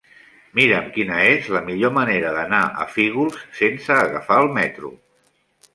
Mira'm quina és la millor manera d'anar a Fígols sense agafar el metro.